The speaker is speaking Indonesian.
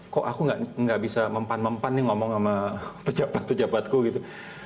kok aku nggak bisa mempan mempan nih ngomong sama pejabat pejabatku gitu